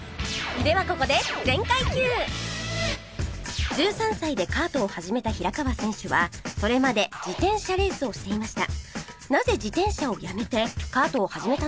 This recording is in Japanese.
ではここで「全開 Ｑ」１３歳でカートを始めた平川選手はそれまで自転車レースをしていました